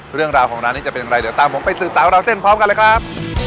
เรื่องราวของร้านนี้จะเป็นอะไรเดี๋ยวตามผมไปสืบสาวราวเส้นพร้อมกันเลยครับ